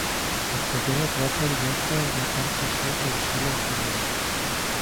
Un pequeño cráter yace en la parte sur del suelo interior.